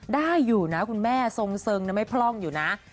ได้อยู่นะคุณแม่ทรงนะไม่พร่องอยู่นะ